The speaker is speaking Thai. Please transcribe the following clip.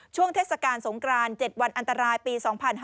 ช่วงเทศกาลสงกราน๗วันอันตรายปี๒๕๕๙